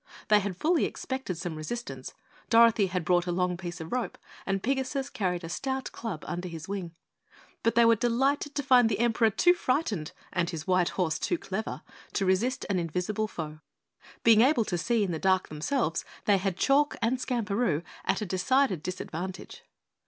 They had fully expected some resistance Dorothy had brought a long piece of rope and Pigasus carried a stout club under his wing but they were delighted to find the Emperor too frightened and his white horse too clever to resist an invisible foe. Being able to see in the dark themselves, they had Chalk and Skamperoo at a decided advantage.